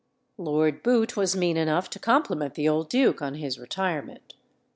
Lord Bute was mean enough to compliment the old duke on his retirement.